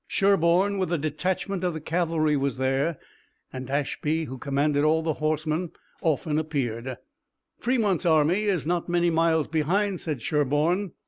Sherburne, with a detachment of the cavalry was there, and Ashby, who commanded all the horse, often appeared. "Fremont's army is not many miles behind," said Sherburne.